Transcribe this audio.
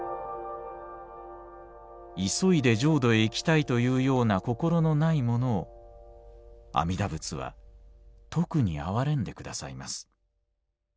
「急いで浄土へ行きたいというような心のないものを阿弥陀仏はとくに憐れんでくださいます。